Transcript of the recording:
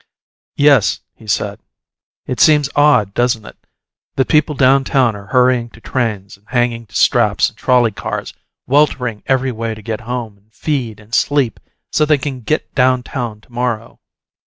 "Yes," he said. "It seems odd, doesn't it, that people down town are hurrying to trains and hanging to straps in trolley cars, weltering every way to get home and feed and sleep so they can get down town to morrow.